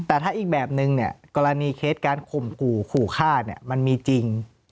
แต่ถ้าอีกแบบนึงเนี่ยกรณีเคสการข่มขู่ขู่ฆ่ามันมีจริง